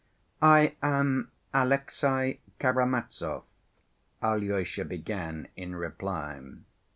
"I am Alexey Karamazov," Alyosha began in reply.